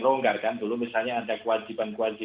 ronggar kan dulu adalah ada kewajipan kewajipan